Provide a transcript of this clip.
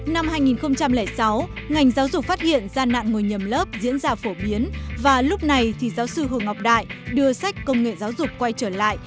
năm hai nghìn sáu ngành giáo dục phát hiện gian nạn ngồi nhầm lớp diễn ra phổ biến và lúc này thì giáo sư hồ ngọc đại đưa sách công nghệ giáo dục quay trở lại